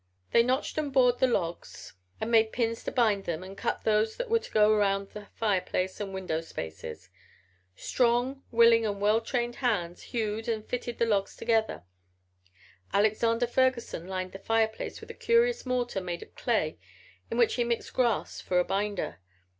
They notched and bored the logs and made pins to bind them and cut those that were to go around the fireplace and window spaces. Strong, willing and well trained hands hewed and fitted the logs together. Alexander Ferguson lined the fireplace with a curious mortar made of clay in which he mixed grass for a binder.